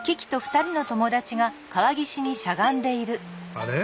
あれ？